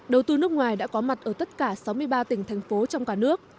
đầu tư nước ngoài đã có mặt ở tất cả sáu mươi ba tỉnh thành phố trong cả nước